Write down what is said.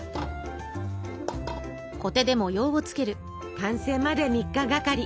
完成まで３日がかり。